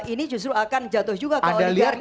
ini justru akan jatuh juga